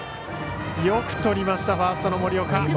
よくとりましたファーストの森岡。